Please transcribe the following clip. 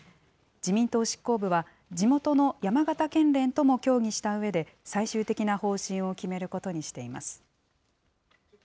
自民党執行部は、地元の山形県連とも協議したうえで、最終的な方針を決めることにしています。